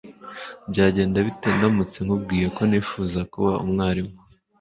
Byagenda bite ndamutse nkubwiye ko nifuza kuba umwarimu